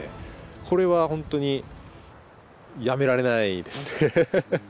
これは本当にやめられないですね。